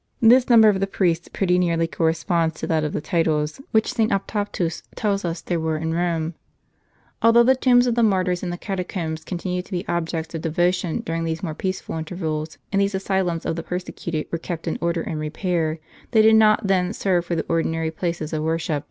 * This number of the priests pretty nearly corresponds to that of the titles, which St. Optatus tells us there were in Eome. Although the tombs of the martyrs in the catacombs con tinued to be objects of devotion during these more peaceful intervals, and these asylums of the persecuted were kept in order and repair, they did not then serve for the ordinary places of worship.